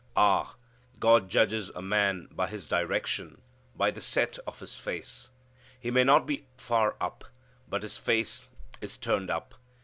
Ah! God judges a man by his direction, by the set of his face. He may not be far up, but his face is turned up.